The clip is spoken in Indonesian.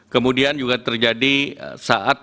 kemudian juga terjadi saat